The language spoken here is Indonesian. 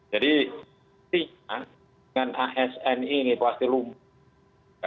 jadi dengan asni ini pasti lumayan